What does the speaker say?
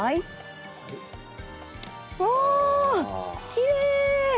きれい！